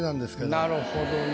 なるほどね。